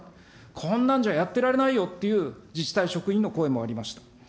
こんなんじゃやってられないよっていう自治体職員の声もありました。